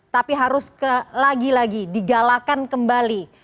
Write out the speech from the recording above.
tapi harus lagi lagi digalakan kembali